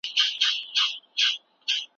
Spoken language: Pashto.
هغه به هره ورځ د بازار وضعیت څاري.